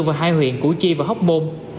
vào hai huyện củ chi và hóc môn